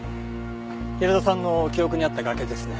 平田さんの記憶にあった崖ですね。